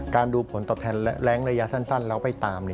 ดูผลตอบแทนแรงระยะสั้นแล้วไปตาม